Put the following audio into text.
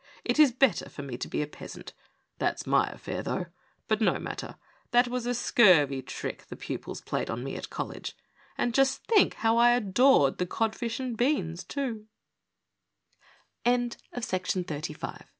It is better for me to be a peasant. That's my affair, though. But no matter; that was a scurvy trick the pupils played me at the college — and just think how I adored the codfish and beans, too